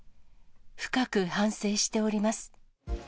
深く反省しております。